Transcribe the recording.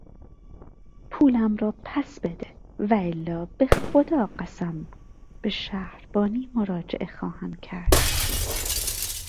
پولم را پس بده والا به خدا قسم به شهربانی مراجعه خواهم کرد!